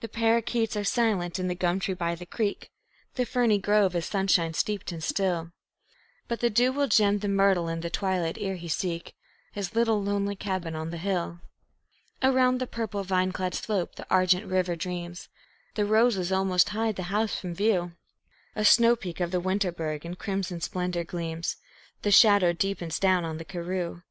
The parrakeets are silent in the gum tree by the creek; The ferny grove is sunshine steeped and still; But the dew will gem the myrtle in the twilight ere he seek His little lonely cabin on the hill. Around the purple, vine clad slope the argent river dreams; The roses almost hide the house from view; A snow peak of the Winterberg in crimson splendor gleams; The shadow deepens down on the karroo.